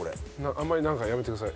あんまりなんかやめてください。